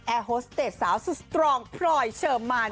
โฮสเตจสาวสุดสตรองพลอยเชิมมาน